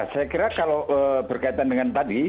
saya kira kalau berkaitan dengan tadi